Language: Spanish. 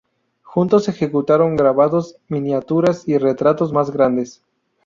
Juntos ejecutaron grabados, miniaturas y retratos más grandes.